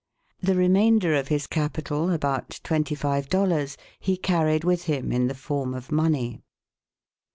The remainder of his capital, about twenty five dollars, he carried with him in the form of money.